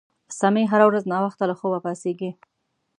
سمیع هره ورځ ناوخته له خوبه پاڅیږي